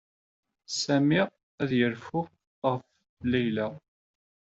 Sami ad yerfu ɣef Layla.